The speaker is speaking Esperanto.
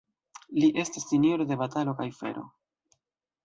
Li estas sinjoro de batalo kaj fero.